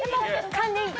勘でいい？